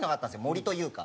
森というか。